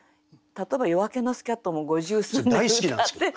例えば「夜明けのスキャット」も五十数年歌ってる。